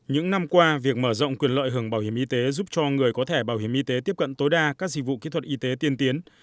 những năm qua việc mở rộng quyền lợi hưởng bảo hiểm y tế giúp cho người có thẻ bảo hiểm y tế tiếp cận tối đa các dịch vụ kỹ thuật y tế tiên tiến